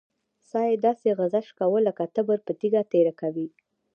سا يې داسې غژس کوه لک تبر په تيږه تېره کوې.